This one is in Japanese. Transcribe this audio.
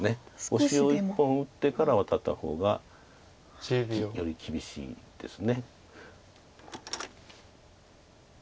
オシを１本打ってからワタった方がより厳しいです。